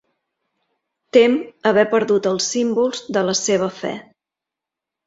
Tem haver perdut els símbols de la seva fe.